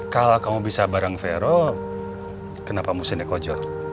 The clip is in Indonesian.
kalau kamu bisa bareng fero kenapa musim nek ojol